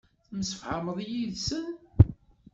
Temsefhameḍ yid-sen.